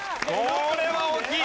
これは大きい！